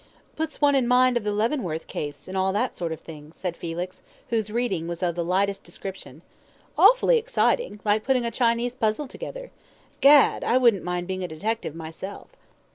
"Puts one in mind of 'The Leavenworth Case,' and all that sort of thing," said Felix, whose reading was of the lightest description. "Awfully exciting, like putting a Chinese puzzle together. Gad, I wouldn't mind being a detective myself."